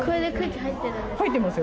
入ってますよ。